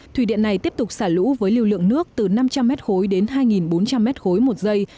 thủy điện này tiếp tục xả lũ với lưu lượng nước từ năm trăm linh m khối đến hai bốn trăm linh m ba một giây